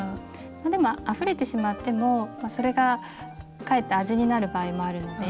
でもあふれてしまってもそれがかえって味になる場合もあるので。